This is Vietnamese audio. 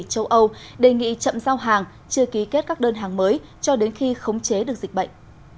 châu âu đề nghị chậm giao hàng chưa ký kết các đơn hàng mới cho đến khi khống chế được dịch bệnh